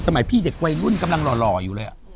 พี่เด็กวัยรุ่นกำลังหล่ออยู่เลย